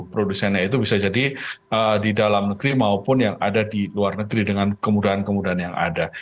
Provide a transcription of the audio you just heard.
produsennya itu bisa jadi di dalam negeri maupun yang ada di luar negeri dengan kemudahan kemudahan yang ada